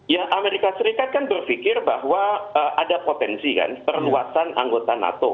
ya amerika serikat kan berpikir bahwa ada potensi kan perluasan anggota nato